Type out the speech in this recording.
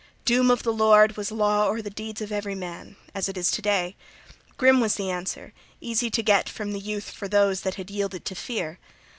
Doom of the Lord was law o'er the deeds of every man, as it is to day. Grim was the answer, easy to get, from the youth for those that had yielded to fear!